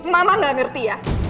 mama gak ngerti ya